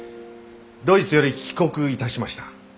ドイツより帰国いたしました。